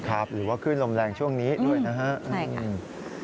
ครับหรือว่าขึ้นลมแรงช่วงนี้ด้วยนะฮะอืมใช่ค่ะ